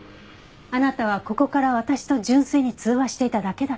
あなたはここから私と純粋に通話していただけだった。